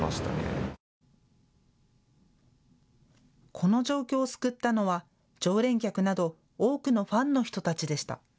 この状況を救ったのは常連客など多くのファンの人たちでした。